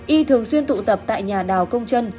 y thường xuyên tụ tập tại nhà đào công trân